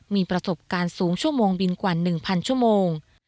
มีประสบการณ์สูงชั่วโมงบินกว่า๑๐๐ชั่วโมง